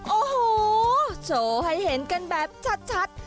โอ้โหโชว์ให้เห็นกันแบบชัด